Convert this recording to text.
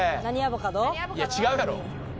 いや違うやろ。